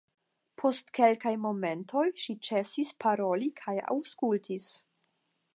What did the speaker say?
Post kelkaj momentoj ŝi ĉesis paroli kaj aŭskultis.